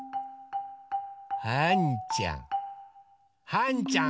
はんちゃん